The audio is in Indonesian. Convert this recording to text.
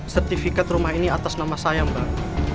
sertifikat rumah ini atas nama saya mbak